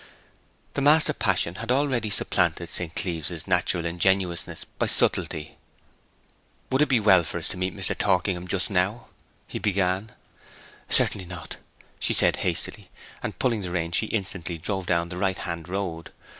The master passion had already supplanted St. Cleeve's natural ingenuousness by subtlety. 'Would it be well for us to meet Mr. Torkingham just now?' he began. 'Certainly not,' she said hastily, and pulling the rein she instantly drove down the right hand road.